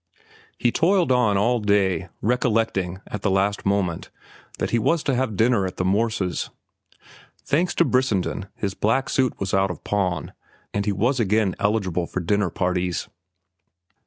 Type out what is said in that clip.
'" He toiled on all day, recollecting, at the last moment, that he was to have dinner at the Morses'. Thanks to Brissenden, his black suit was out of pawn and he was again eligible for dinner parties.